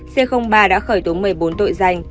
c ba đã khởi tố một mươi bốn tội danh